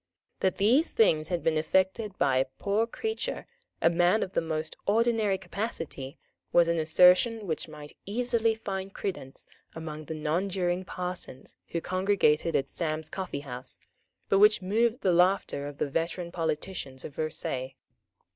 That these things had been effected by a poor creature, a man of the most ordinary capacity, was an assertion which might easily find credence among the nonjuring parsons who congregated at Sam's Coffee house, but which moved the laughter of the veteran politicians of Versailles.